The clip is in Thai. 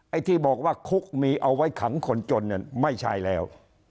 ไอ้ที่บอกว่าคุกมีเอาไว้ขังคนจนเนี่ยไม่ใช่แล้ว